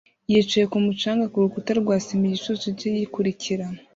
yicaye kumu canga kurukuta rwa sima igicucu cye gikurikira